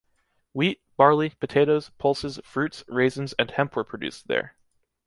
Wheat, barley, potatoes, pulses, fruits, raisins and hemp were produced there.